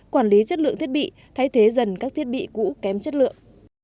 quản lý chất lượng thiết bị thay thế dần các thiết bị cũ kém chất lượng